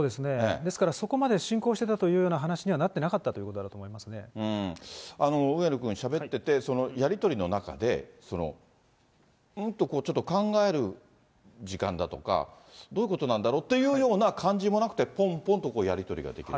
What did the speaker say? ですから、そこまで進行してたというような話にはなってなかったということ上野君、しゃべってて、やり取りの中で、ん？とちょっと考える時間だとか、どういうことなんだろうというような感じもなくて、ぽんぽんとやり取りができる。